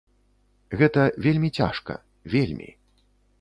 Гэта вельмі цяжка, вельмі.